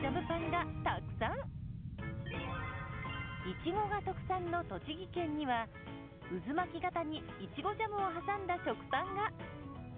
いちごが特産の栃木県には渦巻き型にいちごジャムを挟んだ食パンが！